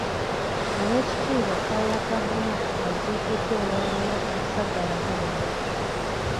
Owekitiibwa Kaaya Kavuma aziikiddwa olwaleero e Sagala Buwaya.